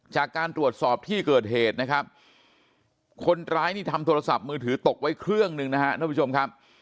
จากการตรวจสอบที่เกิดเหตุนะครับคนร้ายนี่ทำโทรศัพท์มือถือตกไว้เครื่องหนึ่งนะครับท่านผู้ชมครับ